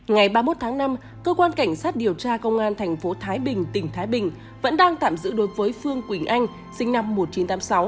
ngày ba mươi một tháng năm cơ quan cảnh sát điều tra công an thành phố thái bình tỉnh thái bình vẫn đang tạm giữ đối với phương quỳnh anh sinh năm một nghìn chín trăm tám mươi sáu